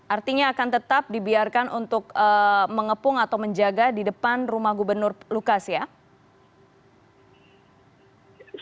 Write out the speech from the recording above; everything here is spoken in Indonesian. artinya akan tetap dibiarkan untuk mengepung atau menjaga di depan rumah gubernur lukas ya